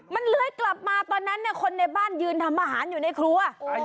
มันเลื้อยกลับมาตอนนั้นคนในบ้านยืนทำอาหารอยู่ในครัว